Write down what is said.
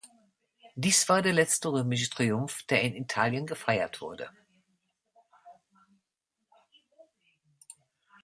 Dies war der letzte römische Triumph, der in Italien gefeiert wurde.